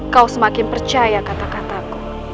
kau semakin percaya kata kataku